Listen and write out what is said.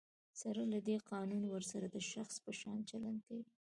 سره له دی، قانون ورسره د شخص په شان چلند کوي.